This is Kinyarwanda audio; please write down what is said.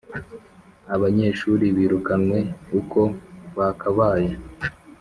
abanyeshuri birukanwe uko bakabaye